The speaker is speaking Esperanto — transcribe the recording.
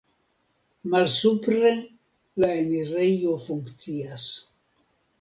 Malsupre la enirejo funkcias.